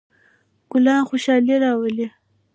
ګلان خوشحالي راولي.